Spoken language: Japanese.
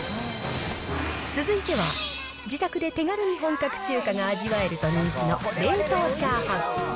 続いては、自宅で手軽に本格中華が味わえると人気の冷凍チャーハン。